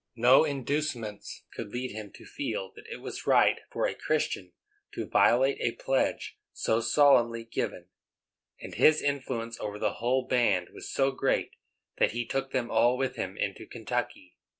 No inducements could lead him to feel that it was right for a Christian to violate a pledge solemnly given, and his influence over the whole band was so great that he took them all with him into Kentucky.